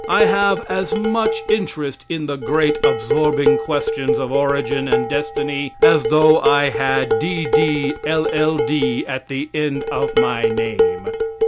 I have as much interest in the great absorbing questions of origin and destiny as though I had D.D., L. L. D. at the end of my name.